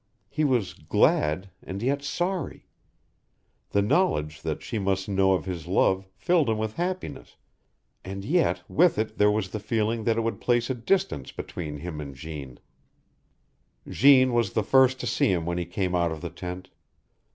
He was glad, and yet sorry; the knowledge that she must know of his love filled him with happiness, and yet with it there was the feeling that it would place a distance between him and Jeanne. Jeanne was the first to see him when he came out of the tent.